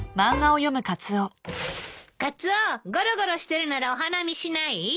カツオごろごろしてるならお花見しない？